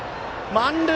満塁！